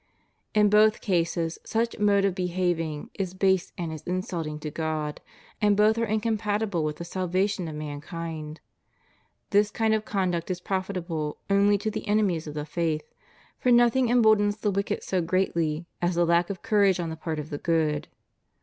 In both cases such mode of behaving is base and is insulting to God, and both are incompatible with the salvation of mankind. This kind of conduct is profitable only to the 5 enemies of the faith, for nothing emboldens the wicked so 7 greatly as the lack of courage on the part of the good.